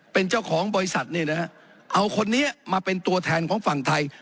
เป็นเจ้าของบริษัทเนี่ยนะฮะเอาคนนี้มาเป็นตัวแทนของฝั่งไทย